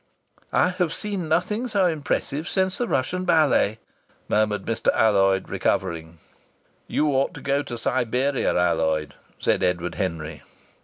"I have seen nothing so impressive since the Russian Ballet," murmured Mr. Alloyd, recovering. "You ought to go to Siberia, Alloyd," said Edward Henry.